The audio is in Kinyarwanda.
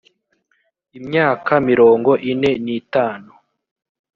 imyaka mirongo ine n itanu